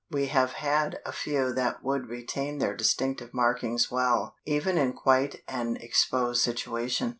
We have had a few that would retain their distinctive markings well, even in quite an exposed situation.